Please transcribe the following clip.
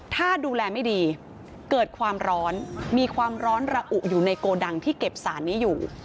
ถ้าดูแลไม่ดีเกิดความร้อนมีความร้อนระอุอยู่ในโกดังที่เก็บสารนี้อยู่